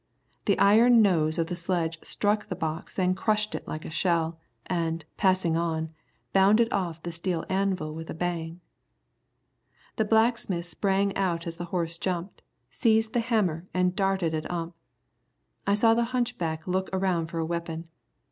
The iron nose of the sledge struck the box and crushed it like a shell, and, passing on, bounded off the steel anvil with a bang. The blacksmith sprang out as the horse jumped, seized the hammer and darted at Ump. I saw the hunchback look around for a weapon.